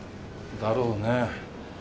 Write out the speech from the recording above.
「だろうね」